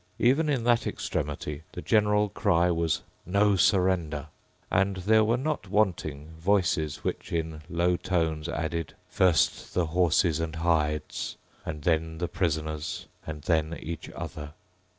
Even in that extremity the general cry was "No surrender." And there were not wanting voices which, in low tones, added, "First the horses and hides; and then the prisoners; and then each other."